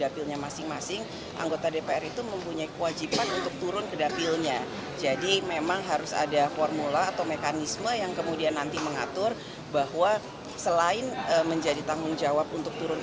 puan maharani ketua dpr